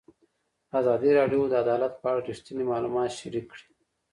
ازادي راډیو د عدالت په اړه رښتیني معلومات شریک کړي.